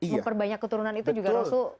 memperbanyak keturunan itu juga langsung